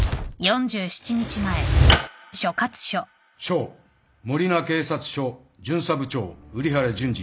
賞守名警察署巡査部長瓜原潤史。